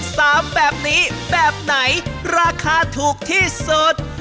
สามแบบนี้แบบไหนราคาถูกที่สุด